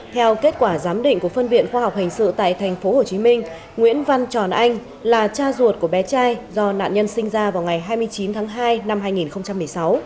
theo kết quả giám định của phân viện khoa học hình sự tại tp hcm nguyễn văn tròn anh là cha ruột của bé trai do nạn nhân sinh ra vào ngày hai mươi chín tháng hai năm hai nghìn một mươi sáu